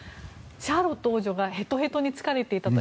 シャーロット王女がへとへとに疲れていたと。